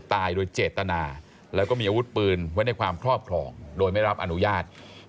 ตายโดยเจตนาแล้วก็มีอาวุธปืนไว้ในความครอบครองโดยไม่รับอนุญาต